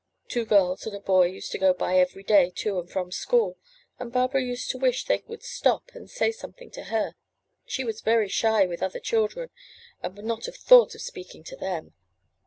Two girls and a boy used to go by every day to and from school, and Barbara used to wish they would stop and say some thing to her; she was very shy with other children, and would not have thought of speaking to them.